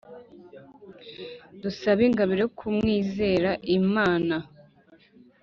dusabe ingabire yo kumwizera imana